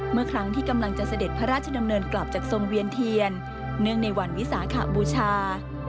เมื่อครั้งที่กำลังจะเสด็จพระราชดำเนินกลับจากทรงเวียนเทียนเนื่องในวันวิสาขบูชา